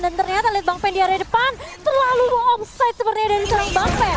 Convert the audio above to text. dan ternyata lihat bang pen di area depan terlalu longside sepertinya dari serang bang pen